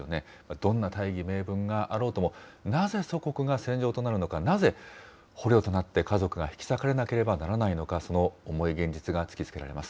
どんな大義名分があろうとも、なぜ祖国が戦場となるのか、なぜ捕虜となって家族が引き裂かれなければならないのか、その重い現実が突きつけられます。